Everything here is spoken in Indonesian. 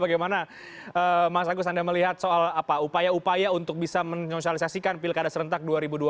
bagaimana mas agus anda melihat soal apa upaya upaya untuk bisa menyosialisasikan pilkada serentak dua ribu dua puluh